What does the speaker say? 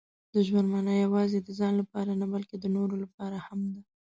• د ژوند مانا یوازې د ځان لپاره نه، بلکې د نورو لپاره هم ده.